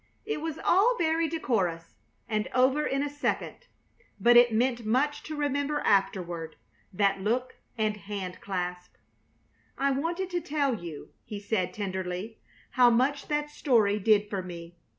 It was all very decorous, and over in a second, but it meant much to remember afterward, that look and hand clasp. "I wanted to tell you," he said, tenderly, "how much that story did for me.